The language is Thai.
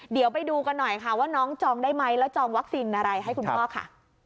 เดี๋ยวไปดูกันหน่อยค่ะว่าน้องจองได้ไหมแล้วจองวัคซีนอะไรให้คุณพ่อค่ะ